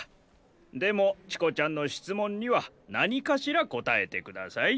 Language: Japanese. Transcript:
でもチコちゃんのしつもんにはなにかしらこたえてください。